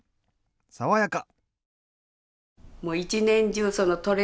爽やか！